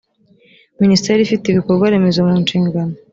minisiteri ifite ibikorwa remezo mu nshingan